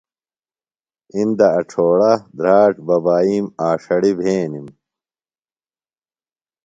اندہ اڇھوڑہ، دھراڇ، ببائیم، آݜڑیۡ بھینِم۔